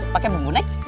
pakai bumbu neng